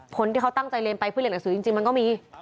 คนที่เขาตั้งใจเรียนไปเพื่อเรียนหนังสือจริงมันก็มี